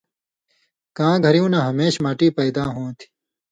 کاں گھریُوں نہ ہمیشہ ماٹی پیدا ہوں تھی